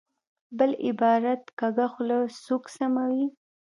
په بل عبارت، کږه خوله سوک سموي.